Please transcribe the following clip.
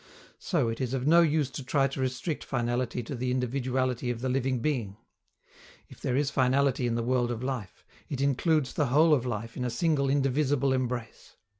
So it is of no use to try to restrict finality to the individuality of the living being. If there is finality in the world of life, it includes the whole of life in a single indivisible embrace.